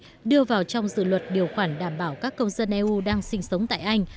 thủ tướng theresa may đưa vào trong dự luật điều khoản đảm bảo các công dân eu đang sinh sống tại anh